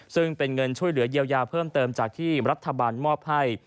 ซึ่งเป็นเงินช่วยเหลือเยียวยาเพิ่มเติมจากที่รัฐบาลมอบให้